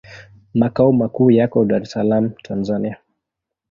Makao makuu yako Dar es Salaam, Tanzania.